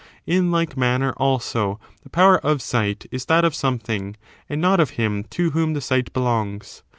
In like manner, also, the power of sight is that of something, and not of him to whom the sight belongs.